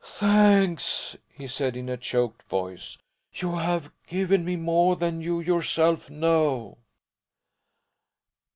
"Thanks!" he said in a choked voice. "You have given me more than you yourself know."